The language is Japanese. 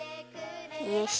よし。